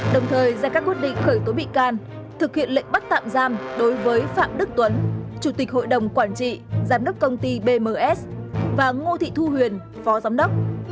đồng thời ra các quyết định khởi tố bị can thực hiện lệnh bắt tạm giam đối với phạm đức tuấn chủ tịch hội đồng quản trị giám đốc công ty bms và ngô thị thu huyền phó giám đốc